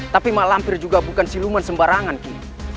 tapi malampir juga bukan siluman sembarangan ki